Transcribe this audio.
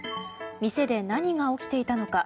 店で何が起きていたのか。